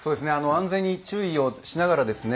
安全に注意をしながらですね